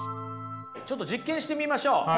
ちょっと実験してみましょう。